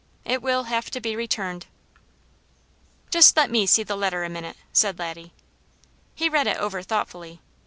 It will have to be returned." "Just let me see the letter a minute," said Laddie. He read it over thoughtfully.